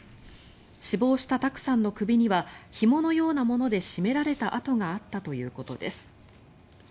死亡した卓さんの首にはひものようなもので絞められた痕があったということです。